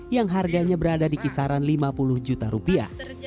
yang harganya berada di kisaran lima puluh juta rupiah